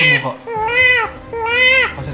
kita belum boleh berbicara